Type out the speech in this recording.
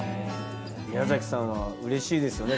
宮さんはうれしいですよね。